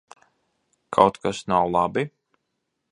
Kaut kas nav labi?